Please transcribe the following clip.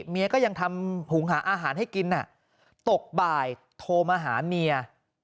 เมียก็ยังทำหุงหาอาหารให้กินตกบ่ายโทรมาหาเมีย